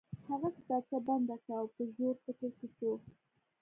هغه کتابچه بنده کړه او په ژور فکر کې شو